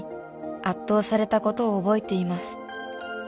「圧倒されたことを覚えています」